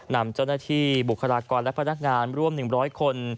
นำเจ้าหน้าที่บุคลากรและพนักงานร่วม๑๐๐คน